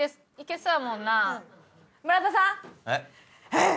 えっ？